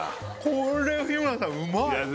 これ日村さんうまい！